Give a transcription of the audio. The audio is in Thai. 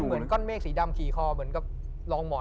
เหมือนก้อนเมฆสีดำขี่คอเหมือนกับรองหมอน